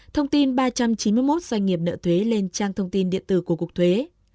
thông tin ba trăm chín mươi một doanh nghiệp nợ thuế lên trang thông tin điện tử của cục thuế